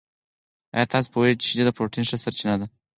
آیا تاسو پوهېږئ چې شیدې د پروټین ښه سرچینه دي؟